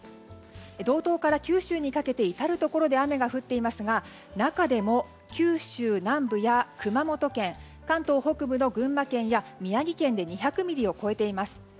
道東から九州にかけて至る所で雨が降っていますが中でも九州南部や熊本県関東北部の群馬県や宮城県で２００ミリを超えています。